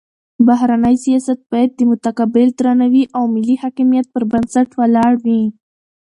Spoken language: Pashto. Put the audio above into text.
بهرنی سیاست باید د متقابل درناوي او ملي حاکمیت پر بنسټ ولاړ وي.